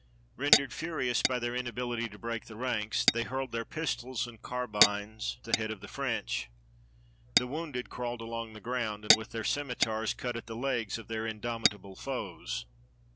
Rendered furious by their inability to break the ranks, they hurled their pistols and carbines at the heads of the French. The wounded crawled along the ground, and with their scimitars cut at the legs of their indomitable foes.